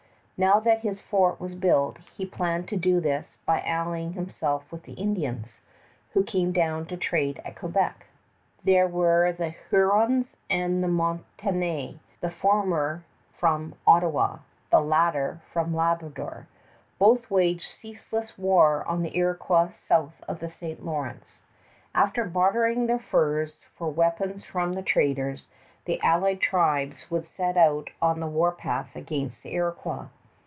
Now that his fort was built, he planned to do this by allying himself with the Indians, who came down to trade at Quebec. These were the Hurons and Montaignais, the former from the Ottawa, the latter from Labrador. Both waged ceaseless war on the Iroquois south of the St. Lawrence. After bartering their furs for weapons from the traders, the allied tribes would set out on the warpath against the Iroquois.